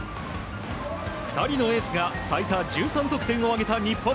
２人のエースが最多１３得点を挙げた日本。